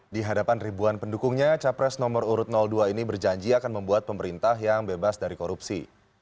di hadapan ribuan pendukungnya capres nomor urut dua ini berjanji akan membuat pemerintah yang bebas dari korupsi